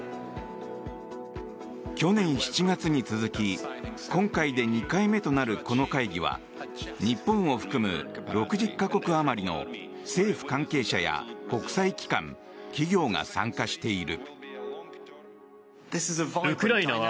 去年７月に続き今回で２回目となるこの会議は日本を含む６０か国余りの政府関係者や国際機関、企業が参加している。